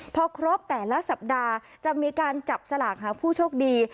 พอครบแต่ละสัปดาห์จะมีการจับสลากหาผู้โชคดี